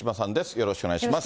よろしくお願いします。